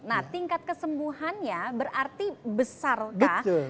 nah tingkat kesembuhannya berarti besarkah